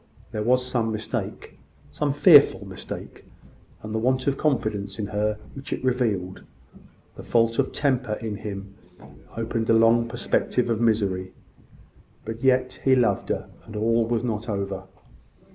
There was some mistake some fearful mistake; and the want of confidence in her which it revealed the fault of temper in him opened a long perspective of misery; but yet, he loved her, and all was not over.